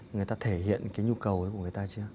người ta thể hiện cái nhu cầu ấy của người ta chưa